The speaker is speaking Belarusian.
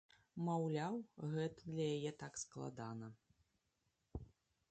Маўляў, гэта для яе так складана.